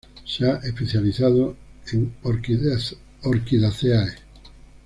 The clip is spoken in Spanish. Se ha especializado en Orchidaceae.